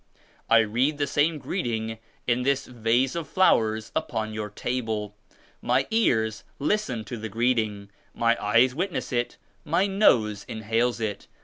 I read the 104 same greeting in this vase of flowers upon your table. My ears listen to the greeting, my eyes witoess it, my nose inhales it.